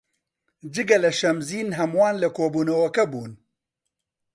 جگە لە شەمزین هەمووان لە کۆبوونەوەکە بوون.